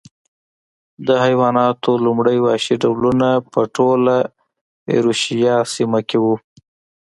د حیواناتو لومړني وحشي ډولونه په ټوله ایرویشیا سیمه کې و.